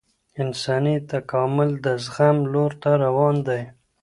انساني تکامل د زغم لور ته روان دی